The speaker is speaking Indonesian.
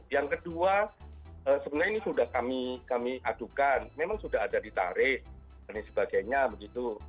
yang kedua sebenarnya ini sudah kami adukan memang sudah ada ditarik dan lain sebagainya begitu